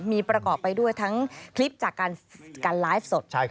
มีประกอบไปด้วยทั้งคลิปจากการไลฟ์สด